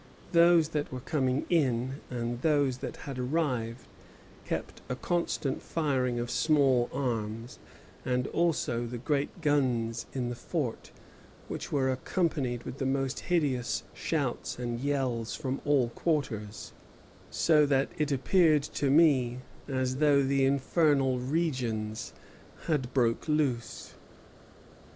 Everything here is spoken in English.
Those that were coming in and those that had arrived kept a constant firing of small arms, and also the great guns in the fort, which were accompanied with the most hideous shouts and yells from all quarters, so that it appeared to me as though the infernal regions had broke loose.